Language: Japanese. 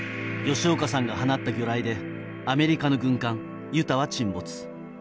吉岡さんが放った魚雷でアメリカの軍艦ユタは沈没。